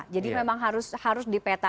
jadi memang harus